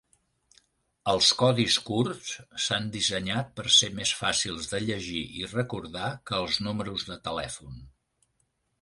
Els codis curts s"han dissenyat per ser més fàcils de llegir i recordar que els números de telèfon.